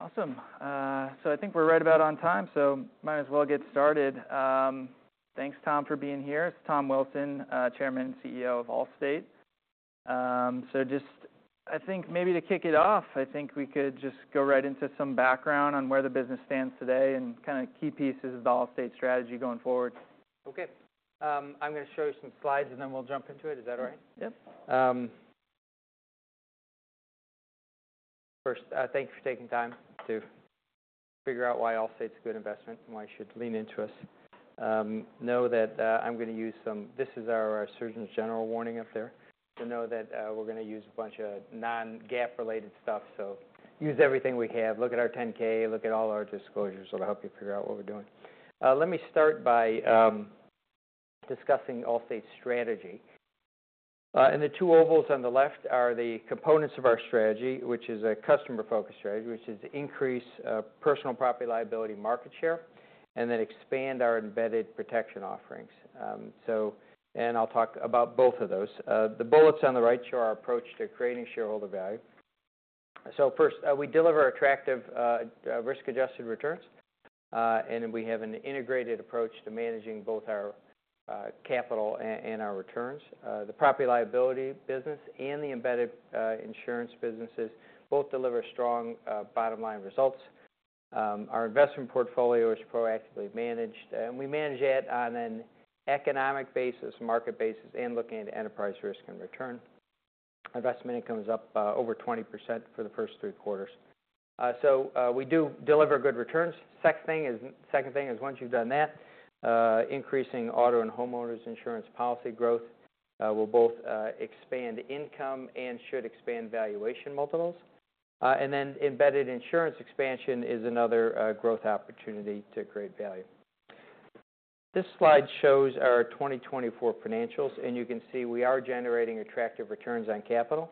Awesome. So I think we're right about on time, so might as well get started. Thanks, Tom, for being here. It's Tom Wilson, Chairman and CEO of Allstate. So just, I think maybe to kick it off, I think we could just go right into some background on where the business stands today and kinda key pieces of the Allstate strategy going forward. Okay. I'm gonna show you some slides, and then we'll jump into it. Is that all right? Yep. First, thank you for taking time to figure out why Allstate's a good investment and why you should lean into us. You know that, I'm gonna use some – this is our Surgeon General's warning up there – to let you know that, we're gonna use a bunch of non-GAAP-related stuff. So use everything we have. Look at our 10-K. Look at all our disclosures that'll help you figure out what we're doing. Let me start by discussing Allstate's strategy. The two ovals on the left are the components of our strategy, which is a customer-focused strategy, which is to increase Property-Liability market share and then expand our embedded protection offerings. I'll talk about both of those. The bullets on the right show our approach to creating shareholder value. First, we deliver attractive, risk-adjusted returns, and we have an integrated approach to managing both our capital and our returns. The Property-Liability business and the embedded insurance businesses both deliver strong bottom-line results. Our investment portfolio is proactively managed, and we manage that on an economic basis, market basis, and looking at enterprise risk and return. Investment income is up over 20% for the first three quarters, so we do deliver good returns. Second thing is, second thing is once you've done that, increasing auto and homeowners insurance policy growth will both expand income and should expand valuation multiples, and then embedded insurance expansion is another growth opportunity to create value. This slide shows our 2024 financials, and you can see we are generating attractive returns on capital.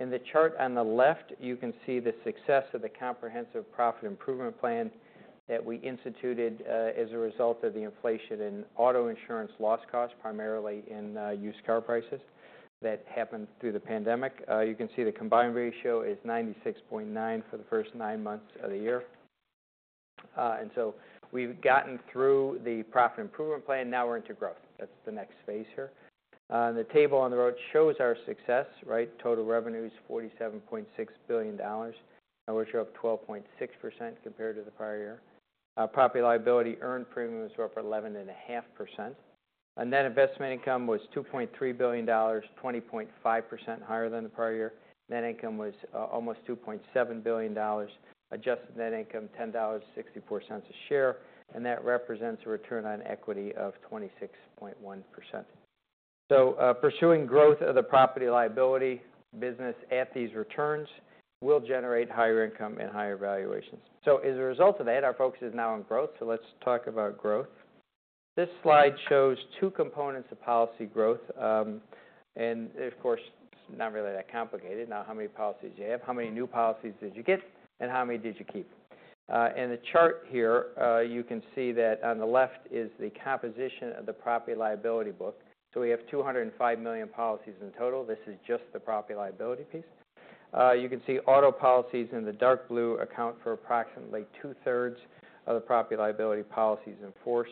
In the chart on the left, you can see the success of the comprehensive profit improvement plan that we instituted as a result of the inflation in auto insurance loss costs, primarily in used car prices that happened through the pandemic. You can see the combined ratio is 96.9% for the first nine months of the year, and so we've gotten through the profit improvement plan. Now we're into growth. That's the next phase here. The table on the right shows our success, right? Total revenue is $47.6 billion, which are up 12.6% compared to the prior year. Property liability earned premiums were up 11.5%. On that, investment income was $2.3 billion, 20.5% higher than the prior year. Net income was almost $2.7 billion, adjusted net income $10.64 a share, and that represents a return on equity of 26.1%, so pursuing growth of the Property-Liability business at these returns will generate higher income and higher valuations, so as a result of that, our focus is now on growth, so let's talk about growth. This slide shows two components of policy growth, and of course, it's not really that complicated. Now, how many policies do you have? How many new policies did you get? And how many did you keep? In the chart here, you can see that on the left is the composition of the Property-Liability book. So we have 205 million policies in total. This is just the Property-Liability piece. You can see auto policies in the dark blue account for approximately two-thirds of the Property-Liability policies in force.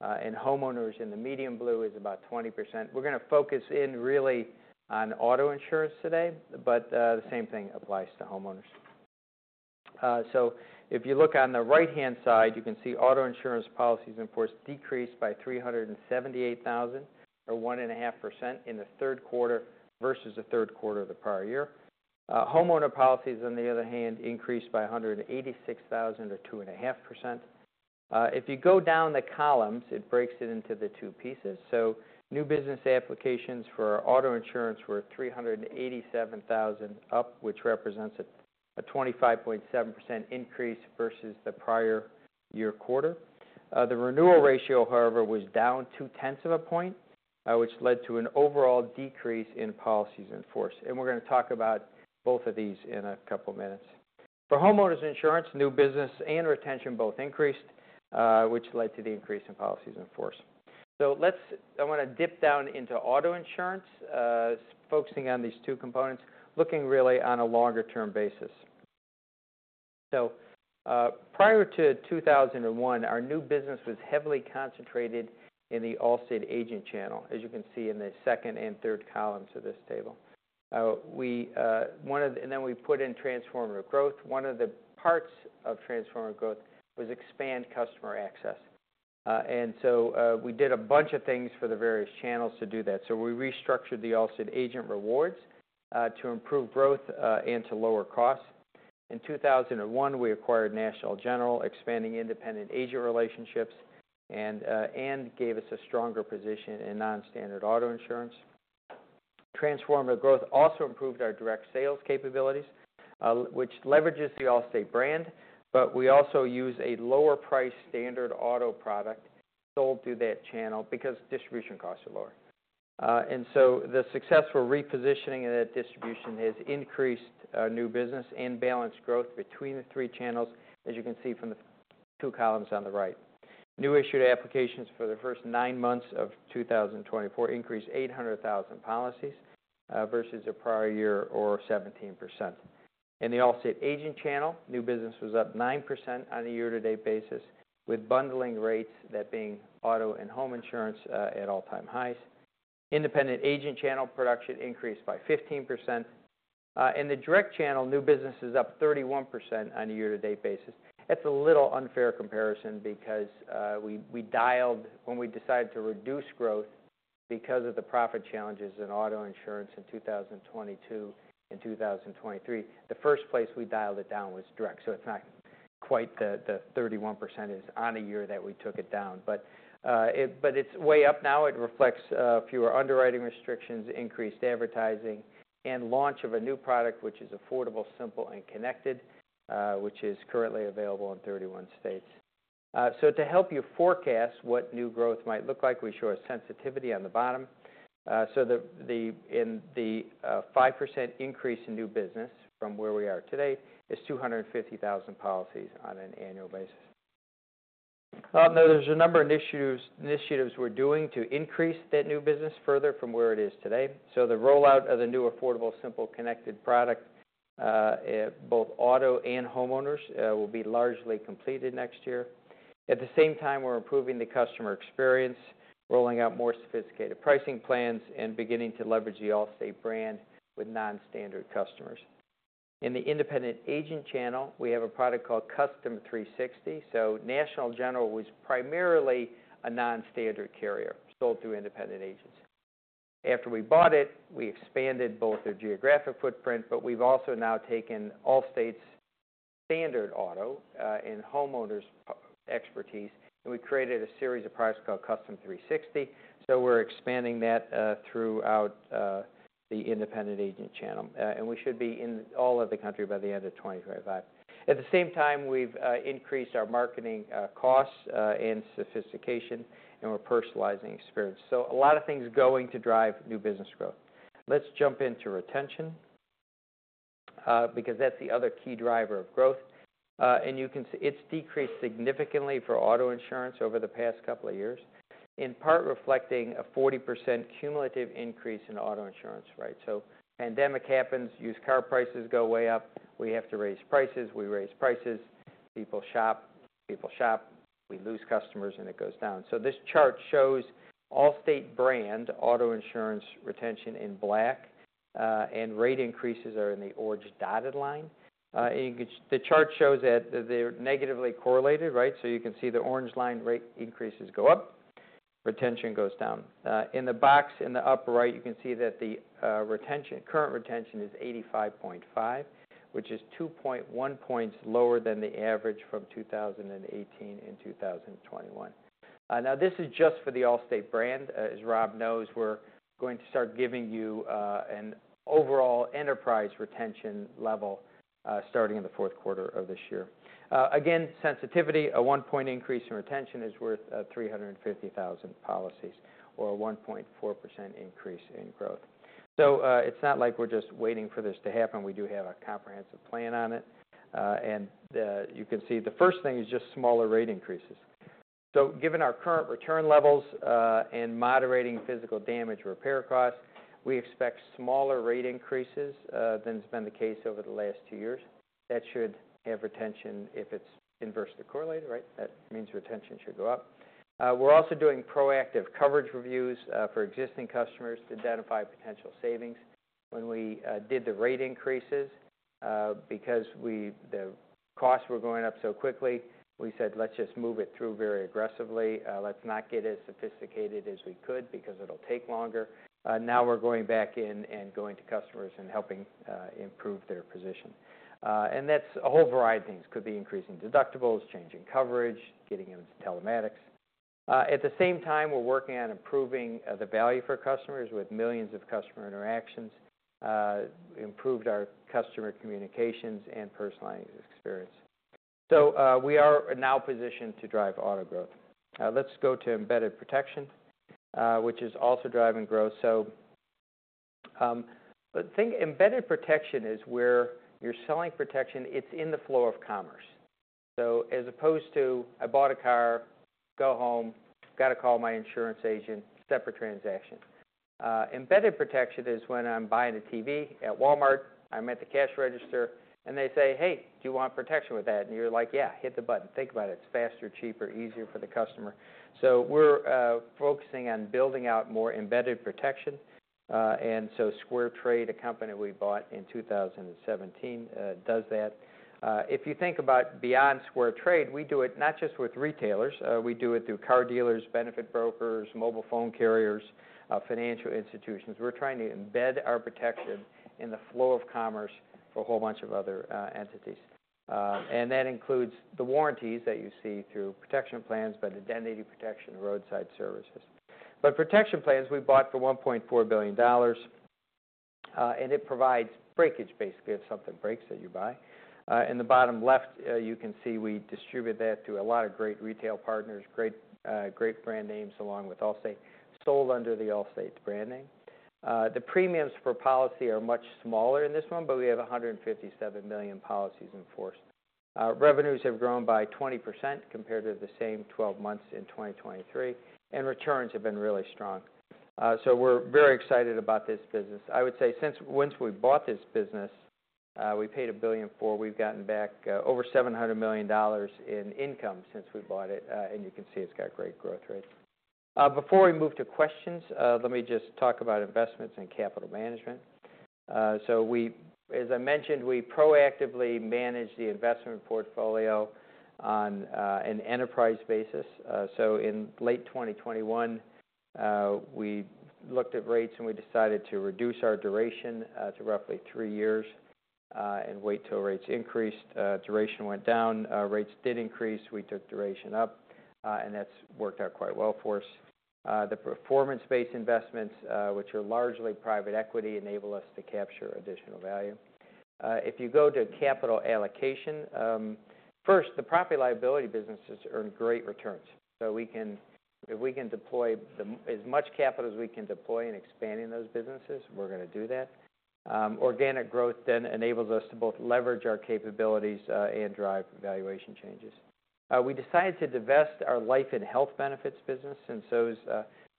And homeowners in the medium blue is about 20%. We're gonna focus in really on auto insurance today, but the same thing applies to homeowners. So if you look on the right-hand side, you can see auto insurance policies in force decreased by 378,000 or 1.5% in the third quarter versus the third quarter of the prior year. Homeowner policies, on the other hand, increased by 186,000 or 2.5%. If you go down the columns, it breaks it into the two pieces, so new business applications for auto insurance were 387,000 up, which represents a 25.7% increase versus the prior year quarter. The renewal ratio, however, was down two-tenths of a point, which led to an overall decrease in policies in force, and we're gonna talk about both of these in a couple of minutes. For homeowners insurance, new business and retention both increased, which led to the increase in policies in force, so let's—I wanna dip down into auto insurance, focusing on these two components, looking really on a longer-term basis, so prior to 2001, our new business was heavily concentrated in the Allstate agent channel, as you can see in the second and third columns of this table. We, one of the—and then we put in Transformative Growth. One of the parts of Transformative Growth was expand customer access, and so we did a bunch of things for the various channels to do that, so we restructured the Allstate Agent Rewards, to improve growth, and to lower costs. In 2021, we acquired National General, expanding independent agent relationships and gave us a stronger position in non-standard auto insurance. Transformative Growth also improved our direct sales capabilities, which leverages the Allstate brand, but we also use a lower-priced standard auto product sold through that channel because distribution costs are lower, and so the successful repositioning of that distribution has increased new business and balanced growth between the three channels, as you can see from the two columns on the right. New issued applications for the first nine months of 2024 increased 800,000 policies, versus the prior year or 17%. In the Allstate agent channel, new business was up 9% on a year-to-date basis, with bundling rates, that being auto and home insurance, at all-time highs. Independent agent channel production increased by 15%. In the direct channel, new business is up 31% on a year-to-date basis. That's a little unfair comparison because we dialed when we decided to reduce growth because of the profit challenges in auto insurance in 2022 and 2023. The first place we dialed it down was direct. So it's not quite the 31% is on a year that we took it down. But it's way up now. It reflects fewer underwriting restrictions, increased advertising, and launch of a new product, which is affordable, simple, and connected, which is currently available in 31 states, so to help you forecast what new growth might look like, we show a sensitivity on the bottom. The 5% increase in new business from where we are today is 250,000 policies on an annual basis. Now there's a number of initiatives we're doing to increase that new business further from where it is today. The rollout of the new affordable, simple, connected product, both auto and homeowners, will be largely completed next year. At the same time, we're improving the customer experience, rolling out more sophisticated pricing plans, and beginning to leverage the Allstate brand with non-standard customers. In the independent agent channel, we have a product called Custom 360. National General was primarily a non-standard carrier sold through independent agents. After we bought it, we expanded both our geographic footprint, but we've also now taken Allstate's standard auto, and homeowners' expertise, and we created a series of products called Custom 360. We're expanding that throughout the independent agent channel. And we should be in all of the country by the end of 2025. At the same time, we've increased our marketing costs and sophistication, and we're personalizing experience. So a lot of things going to drive new business growth. Let's jump into retention, because that's the other key driver of growth. And you can see it's decreased significantly for auto insurance over the past couple of years, in part reflecting a 40% cumulative increase in auto insurance rate. So pandemic happens, used car prices go way up. We have to raise prices. We raise prices. People shop. People shop. We lose customers, and it goes down. So this chart shows Allstate brand auto insurance retention in black, and rate increases are in the orange dotted line. And you can see the chart shows that they're negatively correlated, right? So you can see the orange line rate increases go up, retention goes down. In the box in the upper right, you can see that the retention, current retention is 85.5, which is 2.1 points lower than the average from 2018 and 2021. Now this is just for the Allstate brand. As Rob knows, we're going to start giving you an overall enterprise retention level, starting in the fourth quarter of this year. Again, sensitivity, a 1-point increase in retention is worth 350,000 policies or a 1.4% increase in growth. So, it's not like we're just waiting for this to happen. We do have a comprehensive plan on it. And you can see the first thing is just smaller rate increases. So given our current retention levels, and moderating physical damage repair costs, we expect smaller rate increases than has been the case over the last two years. That should have retention if it's inversely correlated, right? That means retention should go up. We're also doing proactive coverage reviews for existing customers to identify potential savings. When we did the rate increases, because we, the costs were going up so quickly, we said, "Let's just move it through very aggressively. Let's not get as sophisticated as we could because it'll take longer." Now we're going back in and going to customers and helping improve their position, and that's a whole variety of things. Could be increasing deductibles, changing coverage, getting into telematics. At the same time, we're working on improving the value for customers with millions of customer interactions, improved our customer communications and personalized experience, so we are now positioned to drive auto growth. Let's go to embedded protection, which is also driving growth. So, but think embedded protection is where you're selling protection. It's in the flow of commerce. So as opposed to, "I bought a car, go home, gotta call my insurance agent," separate transaction. Embedded protection is when I'm buying a TV at Walmart, I'm at the cash register, and they say, "Hey, do you want protection with that?" And you're like, "Yeah, hit the button. Think about it. It's faster, cheaper, easier for the customer," so we're focusing on building out more embedded protection, and so SquareTrade, a company we bought in 2017, does that. If you think about beyond SquareTrade, we do it not just with retailers. We do it through car dealers, benefit brokers, mobile phone carriers, financial institutions. We're trying to embed our protection in the flow of commerce for a whole bunch of other entities, and that includes the warranties that you see through Protection Plans, but identity protection, roadside services. But Protection Plans we bought for $1.4 billion, and it provides breakage, basically, if something breaks that you buy. In the bottom left, you can see we distribute that to a lot of great retail partners, great, great brand names along with Allstate sold under the Allstate brand name. The premiums for policy are much smaller in this one, but we have 157 million policies in force. Revenues have grown by 20% compared to the same 12 months in 2023, and returns have been really strong. So we're very excited about this business. I would say since once we bought this business, we paid $1 billion for, we've gotten back, over $700 million in income since we bought it. And you can see it's got great growth rates. Before we move to questions, let me just talk about investments and capital management. So we, as I mentioned, we proactively manage the investment portfolio on an enterprise basis. In late 2021, we looked at rates and we decided to reduce our duration to roughly three years and wait till rates increased. Duration went down. Rates did increase. We took duration up, and that's worked out quite well for us. The performance-based investments, which are largely private equity, enable us to capture additional value. If you go to capital allocation, first, the Property-Liability businesses earn great returns. So we can, if we can deploy as much capital as we can deploy in expanding those businesses, we're gonna do that. Organic growth then enables us to both leverage our capabilities and drive valuation changes. We decided to divest our life and health benefits business since those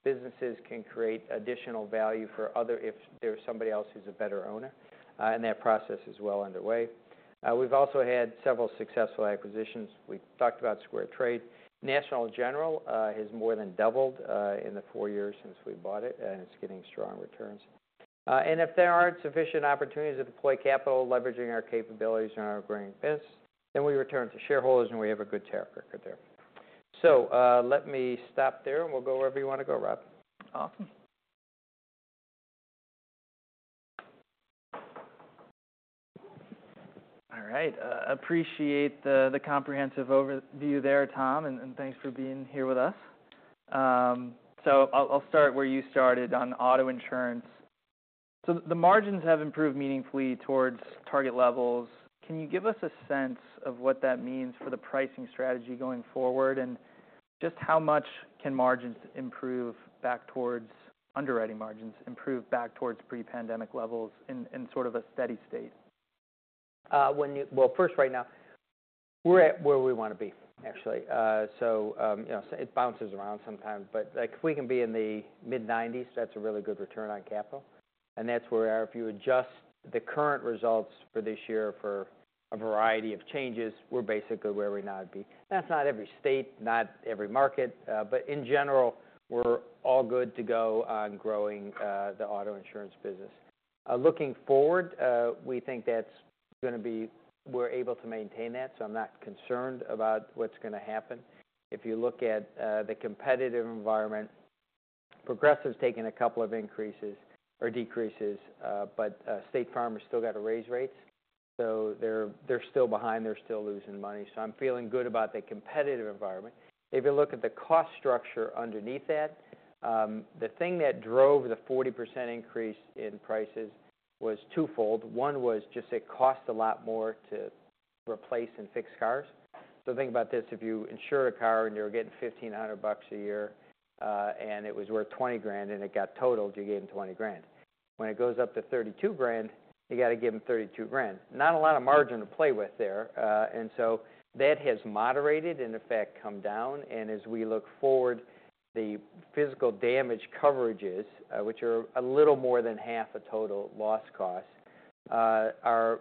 businesses can create additional value for others if there's somebody else who's a better owner. And that process is well underway. We've also had several successful acquisitions. We talked about SquareTrade. National General has more than doubled in the four years since we bought it, and it's getting strong returns. And if there aren't sufficient opportunities to deploy capital leveraging our capabilities and our growing business, then we return to shareholders and we have a good track record there. So, let me stop there and we'll go wherever you wanna go, Rob. Awesome. All right. I appreciate the comprehensive overview there, Tom, and thanks for being here with us. So I'll start where you started on auto insurance. So the margins have improved meaningfully towards target levels. Can you give us a sense of what that means for the pricing strategy going forward and just how much can margins improve back towards underwriting margins, improve back towards pre-pandemic levels in sort of a steady state? Well, first, right now, we're at where we wanna be, actually. You know, it bounces around sometimes, but like, if we can be in the mid-90s, that's a really good return on capital. That's where our, if you adjust the current results for this year for a variety of changes, we're basically where we now would be. That's not every state, not every market, but in general, we're all good to go on growing the auto insurance business. Looking forward, we think that's gonna be, we're able to maintain that, so I'm not concerned about what's gonna happen. If you look at the competitive environment, Progressive's taken a couple of increases or decreases, but State Farm has still gotta raise rates, so they're still behind. They're still losing money, so I'm feeling good about the competitive environment. If you look at the cost structure underneath that, the thing that drove the 40% increase in prices was twofold. One was just it costs a lot more to replace and fix cars. So think about this: if you insure a car and you're getting $1,500 a year, and it was worth $20,000 and it got totaled, you're getting $20,000. When it goes up to $32,000, you gotta give them $32,000. Not a lot of margin to play with there, and so that has moderated and, in fact, come down. As we look forward, the physical damage coverages, which are a little more than half a total loss cost, are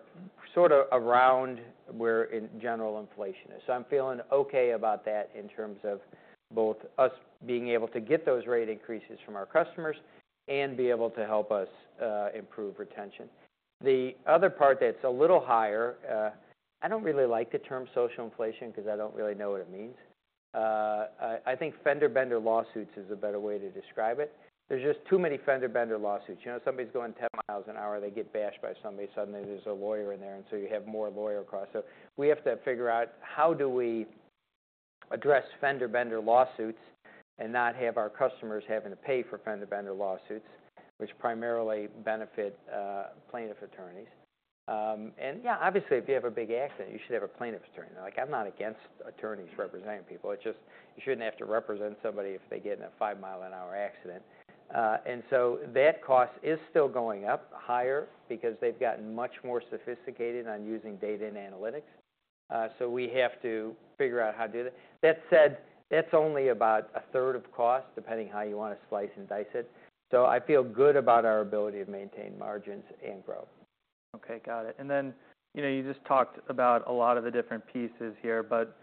sort of around where in general inflation is. So I'm feeling okay about that in terms of both us being able to get those rate increases from our customers and be able to help us, improve retention. The other part that's a little higher, I don't really like the term social inflation 'cause I don't really know what it means. I think fender-bender lawsuits is a better way to describe it. There's just too many fender-bender lawsuits. You know, somebody's going 10 miles an hour, they get bashed by somebody, suddenly there's a lawyer in there, and so you have more lawyer costs. So we have to figure out how do we address fender-bender lawsuits and not have our customers having to pay for fender-bender lawsuits, which primarily benefit plaintiff attorneys. And yeah, obviously, if you have a big accident, you should have a plaintiff attorney. Like, I'm not against attorneys representing people. It's just you shouldn't have to represent somebody if they get in a five-mile-an-hour accident, and so that cost is still going up, higher, because they've gotten much more sophisticated on using data and analytics, so we have to figure out how to do that. That said, that's only about a third of cost, depending how you wanna slice and dice it, so I feel good about our ability to maintain margins and grow. Okay. Got it, and then, you know, you just talked about a lot of the different pieces here, but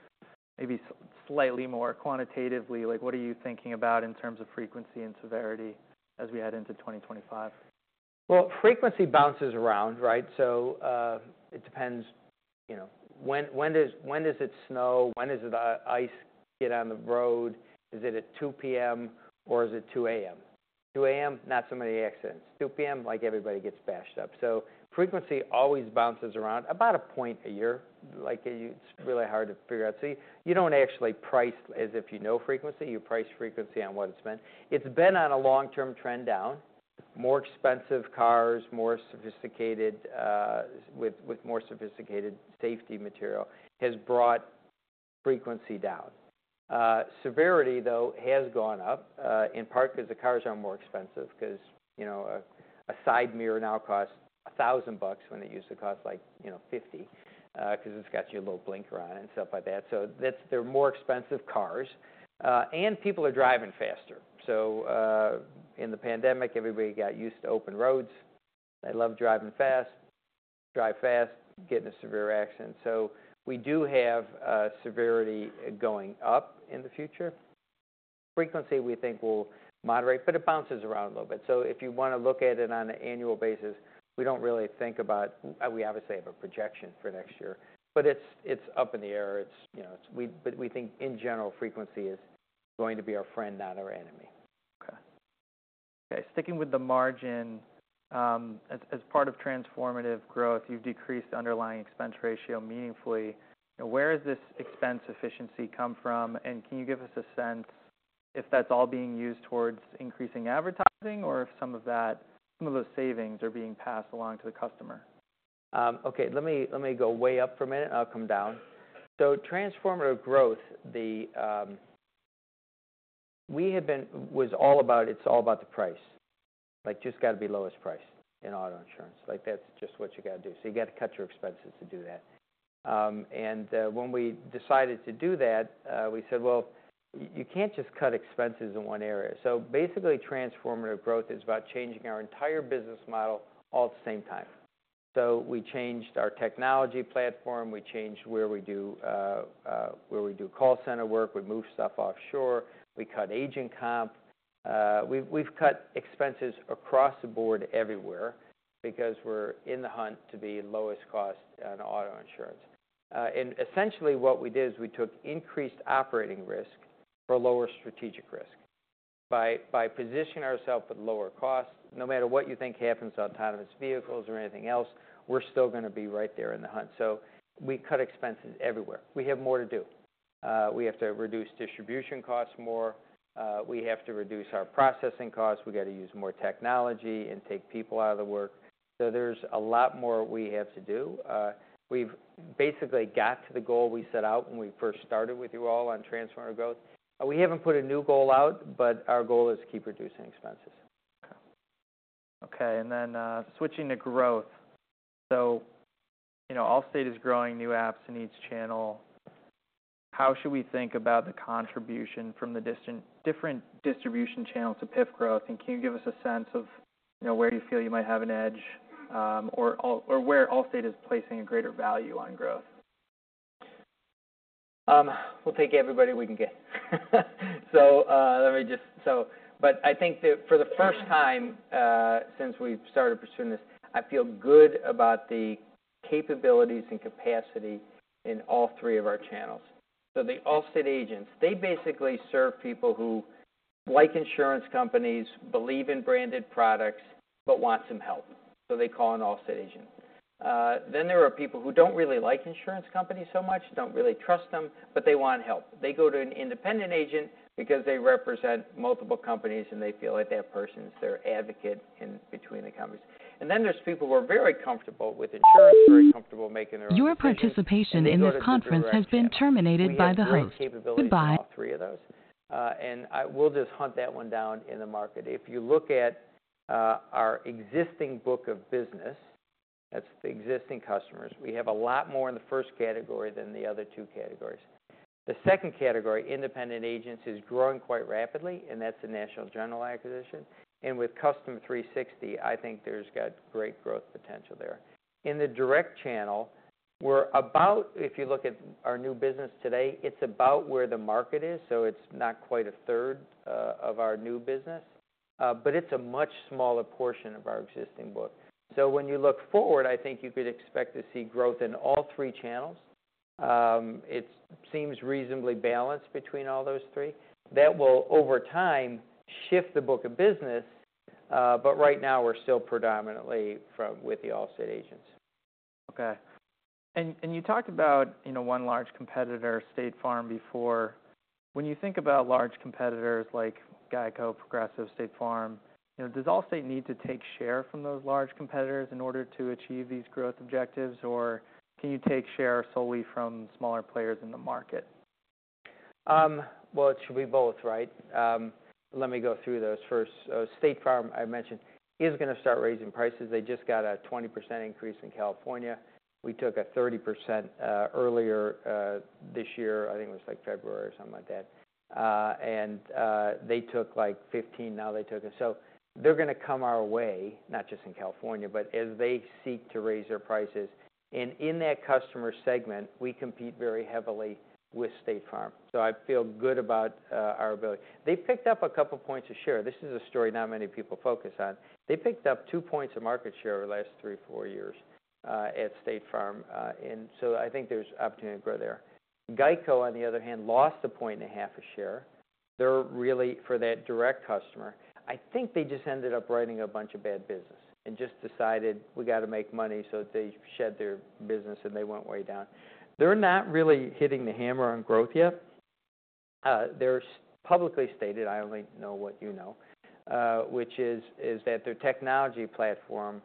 maybe slightly more quantitatively, like, what are you thinking about in terms of frequency and severity as we head into 2025? Well, frequency bounces around, right? So, it depends, you know, when, when does, when does it snow? When does the ice get on the road? Is it at 2:00 P.M. or is it 2:00 A.M.? 2:00 A.M., not so many accidents. 2:00 P.M., like, everybody gets bashed up. So frequency always bounces around about a point a year. Like, it's really hard to figure out. See, you don't actually price as if you know frequency. You price frequency on what it's been. It's been on a long-term trend down. More expensive cars, more sophisticated, with, with more sophisticated safety material has brought frequency down. Severity, though, has gone up, in part 'cause the cars are more expensive 'cause, you know, a, a side mirror now costs $1,000 bucks when it used to cost, like, you know, $50, 'cause it's got your little blinker on and stuff like that. So that's. They're more expensive cars and people are driving faster. In the pandemic, everybody got used to open roads. They love driving fast. Drive fast, getting a severe accident. So we do have severity going up in the future. Frequency, we think, will moderate, but it bounces around a little bit. If you wanna look at it on an annual basis, we don't really think about. We obviously have a projection for next year, but it's up in the air. It's, you know, but we think, in general, frequency is going to be our friend, not our enemy. Okay. Okay. Sticking with the margin, as part of Transformative Growth, you've decreased underlying expense ratio meaningfully. Where has this expense efficiency come from? And can you give us a sense if that's all being used towards increasing advertising or if some of that, some of those savings are being passed along to the customer? Okay. Let me, let me go way up for a minute and I'll come down. So Transformative Growth, the, we have been, was all about, it's all about the price. Like, just gotta be lowest price in auto insurance. Like, that's just what you gotta do. So you gotta cut your expenses to do that, and when we decided to do that, we said, "Well, you can't just cut expenses in one area." So basically, Transformative Growth is about changing our entire business model all at the same time. So we changed our technology platform. We changed where we do call center work. We moved stuff offshore. We cut agent comp. We've cut expenses across the board everywhere because we're in the hunt to be lowest cost on auto insurance. And essentially what we did is we took increased operating risk for lower strategic risk by positioning ourselves with lower cost. No matter what you think happens to autonomous vehicles or anything else, we're still gonna be right there in the hunt. So we cut expenses everywhere. We have more to do. We have to reduce distribution costs more. We have to reduce our processing costs. We gotta use more technology and take people out of the work. So there's a lot more we have to do. We've basically got to the goal we set out when we first started with you all on Transformative Growth. We haven't put a new goal out, but our goal is to keep reducing expenses. Okay. And then, switching to growth. So, you know, Allstate is growing new apps in each channel. How should we think about the contribution from the distinct different distribution channels to PIF growth? And can you give us a sense of, you know, where you feel you might have an edge, or at all, or where Allstate is placing a greater value on growth? We'll take everybody we can get. So, let me just—so but I think that for the first time, since we've started pursuing this, I feel good about the capabilities and capacity in all three of our channels. So the Allstate agents, they basically serve people who like insurance companies, believe in branded products, but want some help. So they call an Allstate agent. Then there are people who don't really like insurance companies so much, don't really trust them, but they want help. They go to an independent agent because they represent multiple companies and they feel like that person's their advocate in between the companies. And then there's people who are very comfortable with insurance, very comfortable making their own decisions. Your participation in this conference has been terminated by the host. Goodbye. All three of those, and we'll just hunt that one down in the market. If you look at our existing book of business, that's the existing customers. We have a lot more in the first category than the other two categories. The second category, independent agents, is growing quite rapidly, and that's the National General acquisition. And with Custom 360, I think there's got great growth potential there. In the direct channel, we're about. If you look at our new business today, it's about where the market is. So it's not quite a third of our new business, but it's a much smaller portion of our existing book. So when you look forward, I think you could expect to see growth in all three channels. It seems reasonably balanced between all those three. That will, over time, shift the book of business. But right now, we're still predominantly with the Allstate agents. Okay. And you talked about, you know, one large competitor, State Farm, before. When you think about large competitors like GEICO, Progressive, State Farm, you know, does Allstate need to take share from those large competitors in order to achieve these growth objectives, or can you take share solely from smaller players in the market? It should be both, right? Let me go through those first. State Farm, I mentioned, is gonna start raising prices. They just got a 20% increase in California. We took a 30% earlier this year. I think it was like February or something like that, and they took like 15%. Now they took it. So they're gonna come our way, not just in California, but as they seek to raise their prices, and in that customer segment, we compete very heavily with State Farm, so I feel good about our ability. They picked up a couple points of share. This is a story not many people focus on. They picked up two points of market share over the last three, four years at State Farm, and so I think there's opportunity to grow there. GEICO, on the other hand, lost a point and a half a share. They're really, for that direct customer, I think they just ended up writing a bunch of bad business and just decided we gotta make money so they shed their business and they went way down. They're not really hitting the hammer on growth yet. They're publicly stated. I only know what you know, which is that their technology platform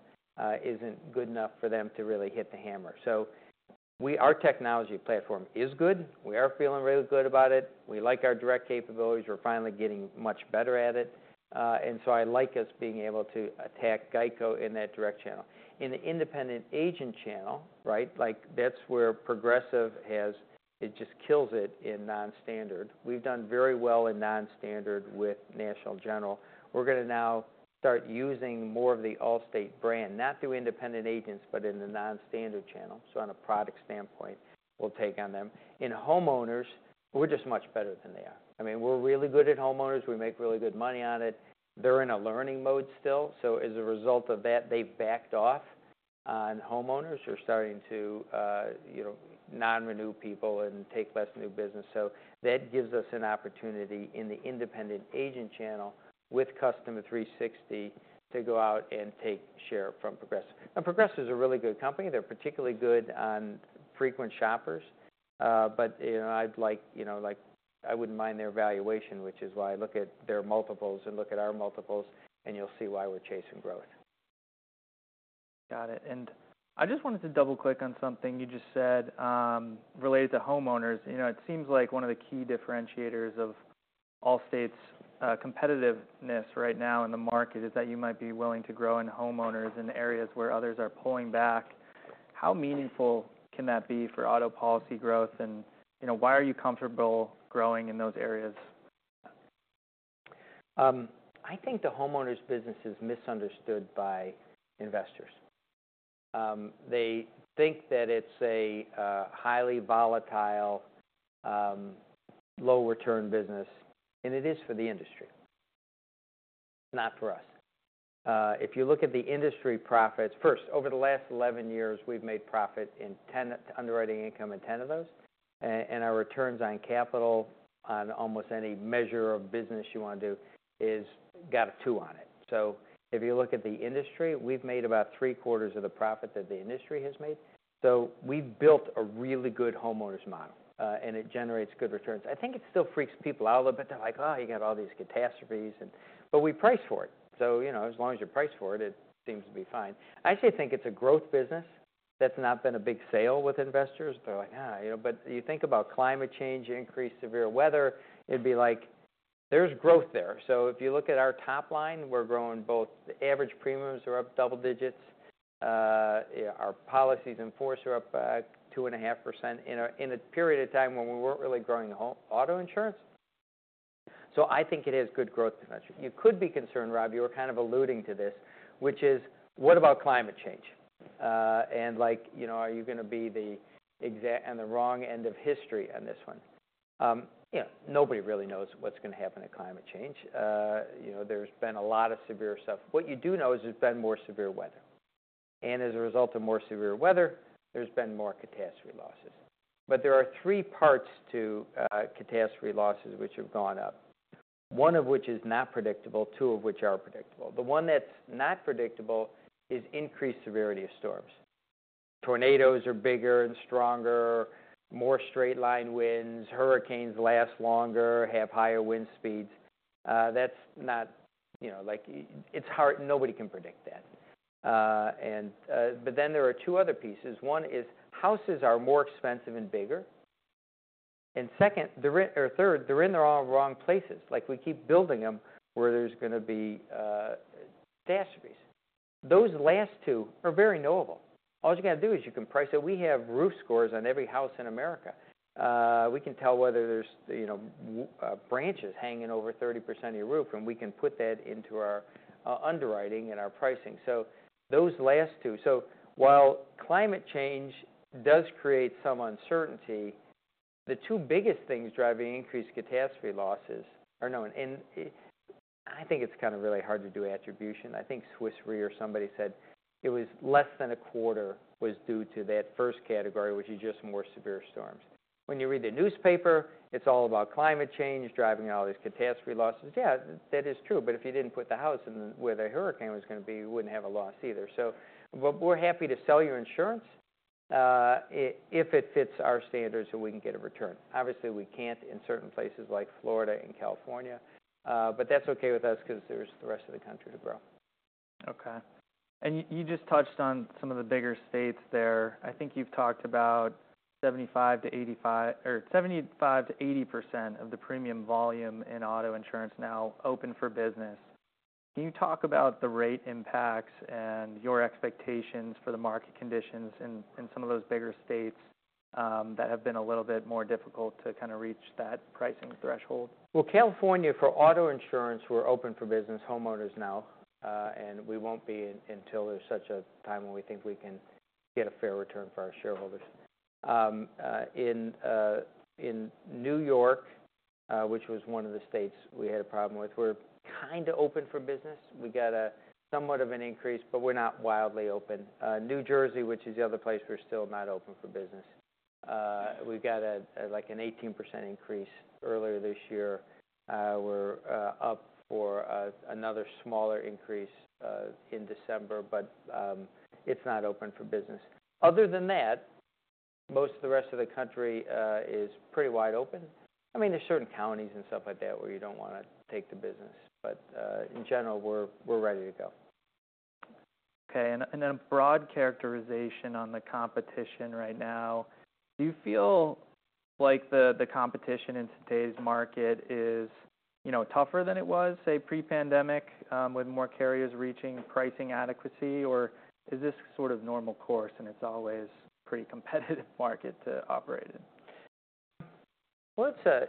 isn't good enough for them to really hit the hammer. So, our technology platform is good. We are feeling really good about it. We like our direct capabilities. We're finally getting much better at it, and so I like us being able to attack GEICO in that direct channel. In the independent agent channel, right, like, that's where Progressive has it just kills it in nonstandard. We've done very well in nonstandard with National General. We're gonna now start using more of the Allstate brand, not through independent agents, but in the nonstandard channel. So on a product standpoint, we'll take on them. In homeowners, we're just much better than they are. I mean, we're really good at homeowners. We make really good money on it. They're in a learning mode still. So as a result of that, they've backed off on homeowners. They're starting to, you know, non-renew people and take less new business. So that gives us an opportunity in the independent agent channel with Custom 360 to go out and take share from Progressive. Now, Progressive's a really good company. They're particularly good on frequent shoppers. But, you know, I'd like, you know, like, I wouldn't mind their valuation, which is why I look at their multiples and look at our multiples, and you'll see why we're chasing growth. Got it. And I just wanted to double-click on something you just said, related to homeowners. You know, it seems like one of the key differentiators of Allstate's competitiveness right now in the market is that you might be willing to grow in homeowners in areas where others are pulling back. How meaningful can that be for auto policy growth? And you know, why are you comfortable growing in those areas? I think the homeowners' business is misunderstood by investors. They think that it's a highly volatile, low-return business, and it is for the industry, not for us. If you look at the industry profits first over the last 11 years, we've made profit in 10, underwriting income in 10 of those, and our returns on capital on almost any measure of business you wanna do has got a two on it, so if you look at the industry, we've made about three-quarters of the profit that the industry has made. So we've built a really good homeowners' model, and it generates good returns. I think it still freaks people out a little bit. They're like, "Oh, you got all these catastrophes," but we price for it, so you know, as long as you price for it, it seems to be fine. I actually think it's a growth business. That's not been a big sale with investors. They're like, you know, but you think about climate change, increased severe weather. It'd be like there's growth there. If you look at our top line, we're growing both the average premiums are up double digits. Our policies in force are up 2.5% in a period of time when we weren't really growing auto insurance. I think it has good growth potential. You could be concerned, Rob. \You were kind of alluding to this, which is what about climate change? And like, you know, are you gonna be the Exxon on the wrong end of history on this one? You know, nobody really knows what's gonna happen with climate change. You know, there's been a lot of severe stuff. What you do know is there's been more severe weather. As a result of more severe weather, there's been more catastrophe losses. There are three parts to catastrophe losses which have gone up, one of which is not predictable, two of which are predictable. The one that's not predictable is increased severity of storms. Tornadoes are bigger and stronger, more straight-line winds. Hurricanes last longer, have higher wind speeds. That's not, you know, like, it's hard. Nobody can predict that, but then there are two other pieces. One is houses are more expensive and bigger. And second, they're in or third, they're in the wrong places. Like, we keep building them where there's gonna be catastrophes. Those last two are very knowable. All you gotta do is you can price. So we have roof scores on every house in America. We can tell whether there's, you know, weak branches hanging over 30% of your roof, and we can put that into our underwriting and our pricing. So those last two. So while climate change does create some uncertainty, the two biggest things driving increased catastrophe losses are known. And I think it's kinda really hard to do attribution. I think Swiss Re or somebody said it was less than a quarter was due to that first category, which is just more severe storms. When you read the newspaper, it's all about climate change driving all these catastrophe losses. Yeah, that is true. But if you didn't put the house in where the hurricane was gonna be, you wouldn't have a loss either. So but we're happy to sell your insurance, if it fits our standards so we can get a return. Obviously, we can't in certain places like Florida and California, but that's okay with us 'cause there's the rest of the country to grow. Okay. And you just touched on some of the bigger states there. I think you've talked about 75%-85% or 75%-80% of the premium volume in auto insurance now open for business. Can you talk about the rate impacts and your expectations for the market conditions in some of those bigger states that have been a little bit more difficult to kinda reach that pricing threshold? California for auto insurance, we're open for business. Homeowners now and we won't be in until there's such a time when we think we can get a fair return for our shareholders. In New York, which was one of the states we had a problem with, we're kinda open for business. We got a somewhat of an increase, but we're not wildly open. New Jersey, which is the other place, we're still not open for business. We got a like an 18% increase earlier this year. We're up for another smaller increase in December, but it's not open for business. Other than that, most of the rest of the country is pretty wide open. I mean, there's certain counties and stuff like that where you don't wanna take the business. In general, we're ready to go. Okay. And then a broad characterization on the competition right now. Do you feel like the competition in today's market is, you know, tougher than it was, say, pre-pandemic, with more carriers reaching pricing adequacy, or is this sort of normal course and it's always pretty competitive market to operate in?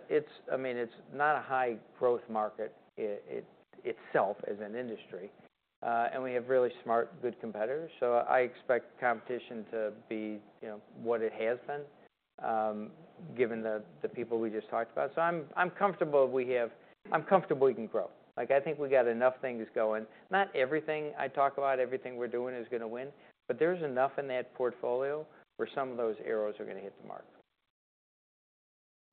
It's. I mean, it's not a high-growth market itself as an industry. And we have really smart, good competitors. So I expect competition to be, you know, what it has been, given the people we just talked about. So I'm comfortable we can grow. Like, I think we got enough things going. Not everything I talk about, everything we're doing is gonna win, but there's enough in that portfolio where some of those arrows are gonna hit the mark.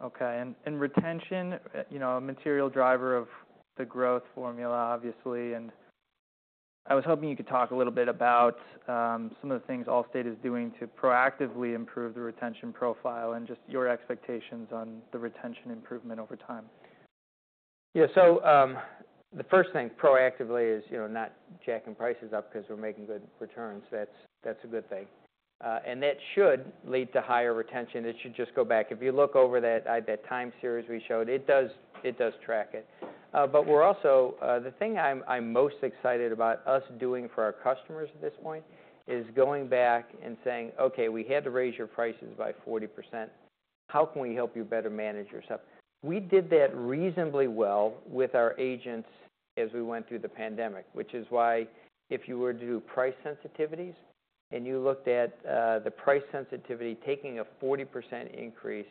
Okay. And, retention, you know, a material driver of the growth formula, obviously. And I was hoping you could talk a little bit about, some of the things Allstate is doing to proactively improve the retention profile and just your expectations on the retention improvement over time. Yeah, so the first thing proactively is, you know, not jacking prices up 'cause we're making good returns. That's, that's a good thing, and that should lead to higher retention. It should just go back. If you look over that, that time series we showed, it does track it, but we're also, the thing I'm most excited about us doing for our customers at this point is going back and saying, "Okay, we had to raise your prices by 40%. How can we help you better manage yourself?" We did that reasonably well with our agents as we went through the pandemic, which is why if you were to do price sensitivities and you looked at, the price sensitivity taking a 40% increase,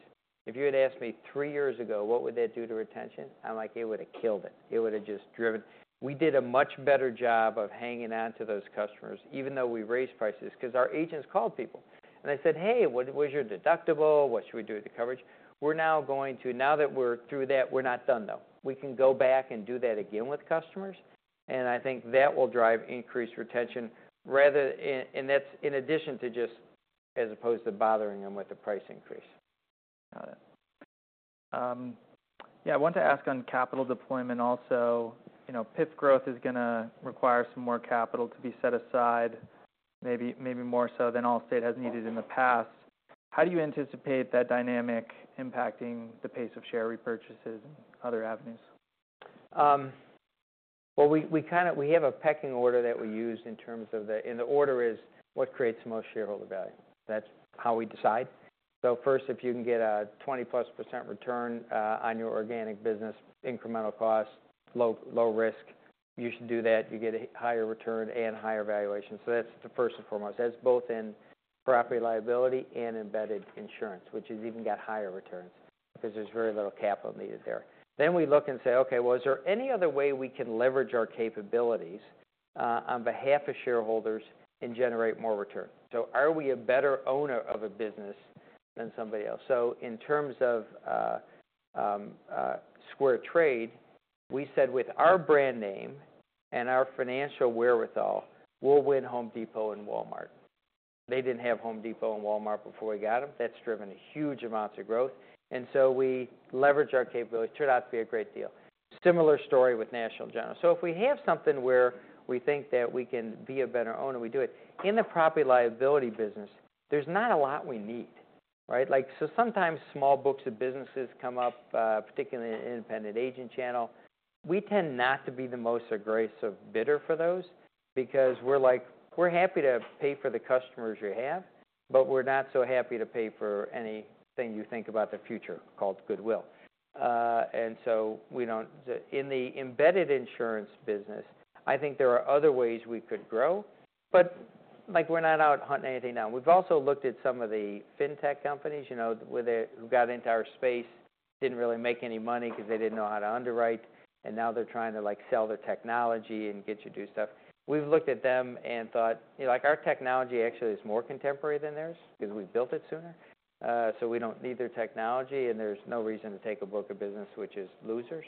if you had asked me three years ago, what would that do to retention? I'm like, it would've killed it. It would've just driven. We did a much better job of hanging onto those customers even though we raised prices 'cause our agents called people and they said, "Hey, what was your deductible? What should we do with the coverage?" We're now going to, now that we're through that, we're not done though. We can go back and do that again with customers, and I think that will drive increased retention rather than, and that's in addition to just, as opposed to bothering them with the price increase. Got it. Yeah, I wanted to ask on capital deployment also. You know, PIF growth is gonna require some more capital to be set aside, maybe, maybe more so than Allstate has needed in the past. How do you anticipate that dynamic impacting the pace of share repurchases and other avenues? Well, we kinda have a pecking order that we use in terms of the order is what creates the most shareholder value. That's how we decide. So first, if you can get a 20+% return on your organic business, incremental cost low, low risk, you should do that. You get a higher return and higher valuation. So that's the first and foremost. That's both in Property-Liability and embedded insurance, which has even got higher returns 'cause there's very little capital needed there. Then we look and say, "Okay, well, is there any other way we can leverage our capabilities on behalf of shareholders and generate more return?" So are we a better owner of a business than somebody else? So in terms of SquareTrade, we said with our brand name and our financial wherewithal, we'll win Home Depot and Walmart. They didn't have Home Depot and Walmart before we got them. That's driven huge amounts of growth. And so we leverage our capability. It turned out to be a great deal. Similar story with National General. So if we have something where we think that we can be a better owner, we do it. In the Property-Liability business, there's not a lot we need, right? Like, so sometimes small books of businesses come up, particularly in independent agent channel. We tend not to be the most aggressive bidder for those because we're like, "We're happy to pay for the customers you have, but we're not so happy to pay for anything you think about the future called goodwill." And so we don't in the embedded insurance business. I think there are other ways we could grow, but, like, we're not out hunting anything down. We've also looked at some of the fintech companies, you know, where they got into our space, didn't really make any money 'cause they didn't know how to underwrite, and now they're trying to, like, sell their technology and get you to do stuff. We've looked at them and thought, you know, like, our technology actually is more contemporary than theirs 'cause we built it sooner, so we don't need their technology, and there's no reason to take a book of business which is losers,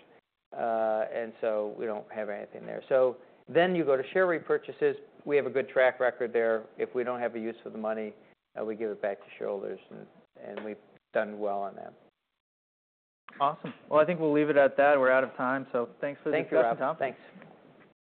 and so we don't have anything there. So then you go to share repurchases. We have a good track record there. If we don't have a use for the money, we give it back to shareholders, and we've done well on that. Awesome. Well, I think we'll leave it at that. We're out of time. So thanks for the, Tom. Thank you, Rob. Thanks.